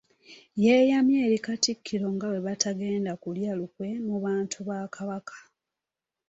Yeeyamye eri Katikkiro nga bwe batagenda kulya lukwe mu bantu ba Kabaka.